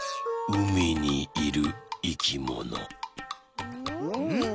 うみにいるいきもの。